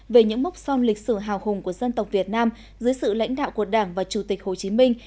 về những mốc son lịch sử hào hùng của dân tộc việt nam dưới sự lãnh đạo của đảng và chủ tịch hồ chí minh